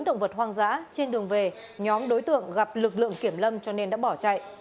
động vật hoang dã trên đường về nhóm đối tượng gặp lực lượng kiểm lâm cho nên đã bỏ chạy